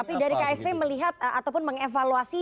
tapi dari ksp melihat ataupun mengevaluasi